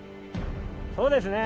そうですね。